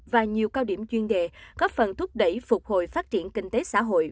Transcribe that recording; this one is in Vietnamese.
và nhiều cao điểm chuyên đề góp phần thúc đẩy phục hồi phát triển kinh tế xã hội